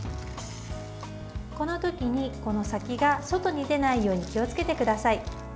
この時に、この先が外に出ないように気をつけてください。